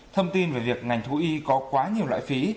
thông tin về việc ngành thú y có quá nhiều loại phí